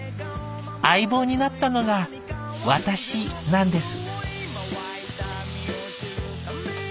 相棒になったのが私なんです」。